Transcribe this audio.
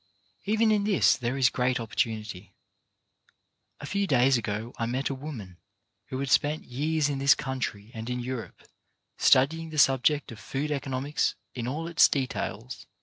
Even in this there is a great opportunity. A few days ago I met a woman who had spent years in this country and in Europe studying the subject of food economics in all its details.